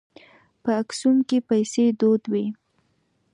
په اکسوم کې پیسې دود وې.